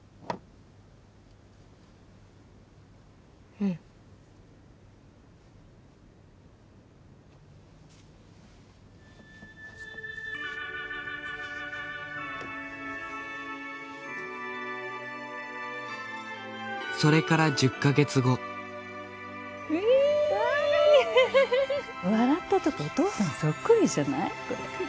うんそれから１０カ月後笑ったとこお父さんそっくりじゃない？